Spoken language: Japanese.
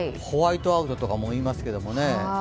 ホワイトアウトとかも言いますけどね。